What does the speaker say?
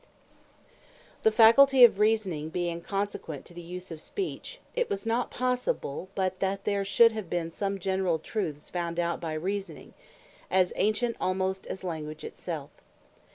Of The Beginnings And Progresse Of Philosophy The faculty of Reasoning being consequent to the use of Speech, it was not possible, but that there should have been some generall Truthes found out by Reasoning, as ancient almost as Language it selfe.